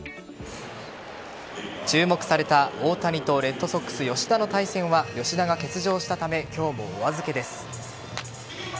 注目された大谷とレッドソックス・吉田の対戦は吉田が欠場したため今日もお預けです。